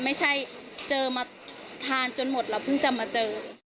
ไม่ใช่เจอมาทานจนหมดเราเพิ่งจะมาเจอ